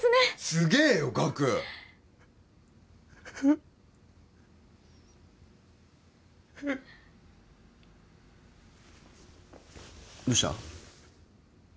すげえよガクどうした？